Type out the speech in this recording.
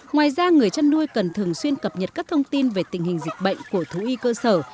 ngoài ra người chăn nuôi cần thường xuyên cập nhật các thông tin về tình hình dịch bệnh của thú y cơ sở